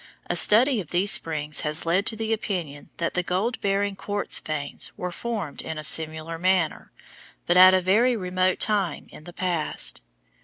A study of these springs has led to the opinion that the gold bearing quartz veins were formed in a similar manner, but at a very remote time in the past.